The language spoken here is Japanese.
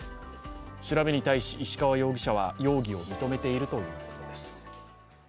調べに対し石川容疑者は容疑を認めているということです。